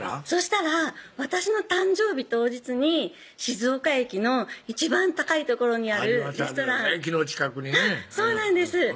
そしたら私の誕生日当日に静岡駅の一番高い所にあるレストラン駅の近くにねそうなんです